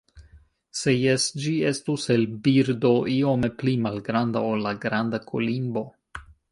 Se jes, ĝi estus el birdo iome pli malgranda ol la Granda kolimbo.